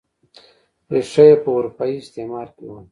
ریښه یې په اروپايي استعمار کې وه.